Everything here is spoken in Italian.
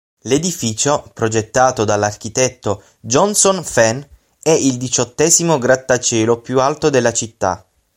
L'edificio, progettato dall'architetto Johnson Fain, è il diciottesimo grattacielo più alto della città.